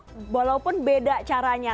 tiongkok walaupun beda caranya